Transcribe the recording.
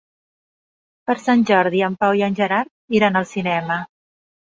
Per Sant Jordi en Pau i en Gerard iran al cinema.